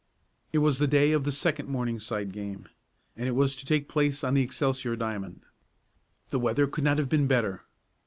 It was the day of the second Morningside game, and it was to take place on the Excelsior diamond. The weather could not have been better.